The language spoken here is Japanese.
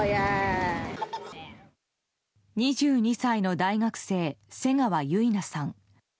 ２２歳の大学生、瀬川結菜さん。